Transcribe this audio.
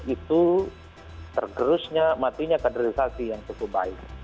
itu tergerusnya matinya kaderisasi yang cukup baik